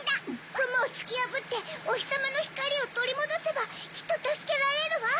くもをつきやぶっておひさまのひかりをとりもどせばきっとたすけられるわ！